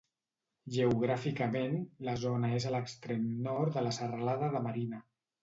Geogràficament, la zona és a l'extrem nord de la Serralada de Marina.